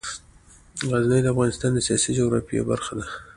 غزني د افغانستان د سیاسي جغرافیه برخه ده.